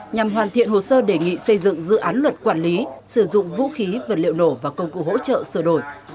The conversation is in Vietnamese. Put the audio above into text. nhằm hoàn thiện hồ sơ đề nghị xây dựng dự án luật quản lý sử dụng vũ khí vật liệu nổ và công cụ hỗ trợ sửa đổi